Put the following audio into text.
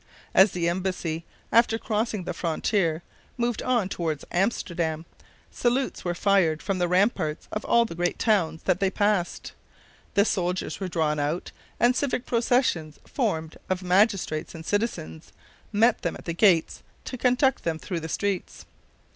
As the embassy, after crossing the frontier, moved on toward Amsterdam, salutes were fired from the ramparts of all the great towns that they passed, the soldiers were drawn out, and civic processions, formed of magistrates and citizens, met them at the gates to conduct them through the streets.